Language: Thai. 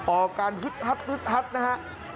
ออกการฮึดฮัดนะฮะ